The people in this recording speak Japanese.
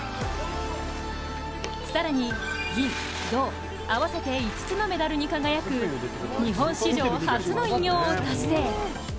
更に銀、銅合わせて５つのメダルに輝く日本史上初の偉業を達成。